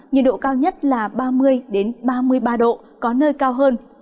nhiệt độ cao nhất là ba mươi ba mươi ba độ có nơi cao hơn